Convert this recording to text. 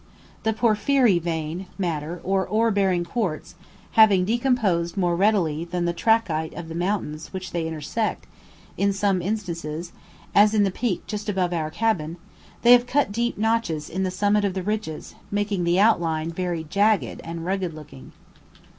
The porphyry vein matter or ore bearing quartz, having decomposed more readily than the trachyte of the mountains which they intersect, in some instances, as in the peak just above our cabin, they have cut deep notches in the summit of the ridges, making the outline very jagged and rugged looking.